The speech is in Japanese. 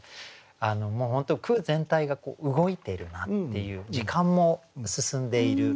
本当に句全体が動いてるなっていう時間も進んでいる。